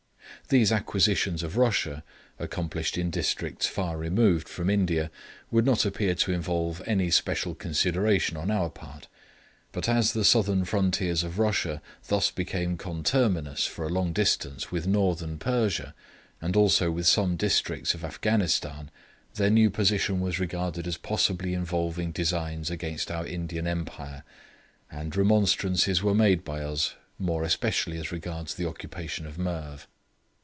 These acquisitions of Russia, accomplished in districts far removed from India, would not appear to involve any special consideration on our part; but as the southern frontiers of Russia thus became conterminous for a long distance with Northern Persia, and also with some districts of Afghanistan, their new position was regarded as possibly involving designs against our Indian Empire, and remonstrances were made by us, more especially as regards the occupation of Merv.